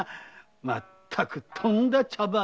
まったくとんだ茶番で。